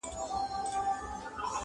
زوی او لور به یې نهر ورته پراته وه!!